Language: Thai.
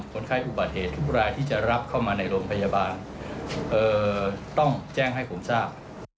คนไข้อุบัติเหตุทุกรายที่จะรับเข้ามาในโรงพยาบาลต้องแจ้งให้ผมทราบ